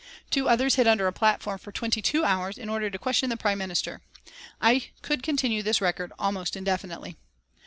Two others hid under a platform for twenty two hours in order to question the Prime Minister. I could continue this record almost indefinitely.